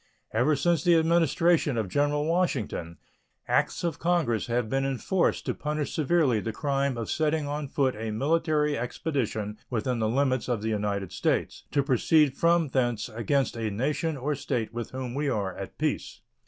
Ever since the Administration of General Washington acts of Congress have been enforced to punish severely the crime of setting on foot a military expedition within the limits of the United States to proceed from thence against a nation or state with whom we are at peace.